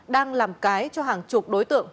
đang làm cái cho hàng chục đối tượng